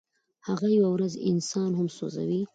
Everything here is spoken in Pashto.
هغه یوه ورځ انسان هم سوځوي.